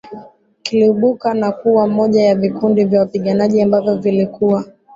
kiliibuka na kuwa moja ya vikundi vya wapiganaji ambavyo vilikuwa